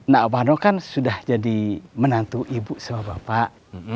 nak warno kan sudah jadi menantu ibu sama bapak